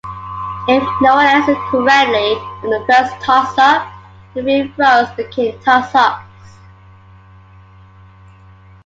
If no one answered correctly on the first toss-up, the free throws became toss-ups.